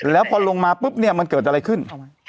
แล้วพอลงมาปุ๊บเนี่ยมันเกิดอะไรขึ้น